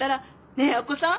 ねえ明子さん